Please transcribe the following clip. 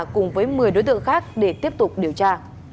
cùng với một mươi đối tượng khác để tiếp tục điều tra